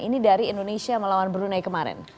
ini dari indonesia melawan brunei kemarin